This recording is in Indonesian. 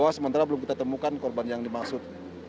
bahwa sementara belum kita temukan korban yang dimaksud